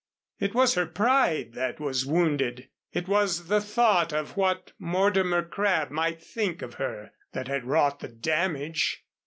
It was her pride that was wounded. It was the thought of what Mortimer Crabb might think of her that had wrought the damage.